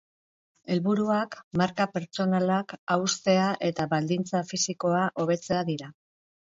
Helburuak marka pertsonalak haustea eta baldintza fisikoa hobetzea dira.